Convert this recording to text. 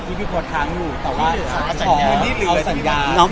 พี่พี่พลดค้างอยู่แต่ว่าขอเงินที่หรือเอาสัญญา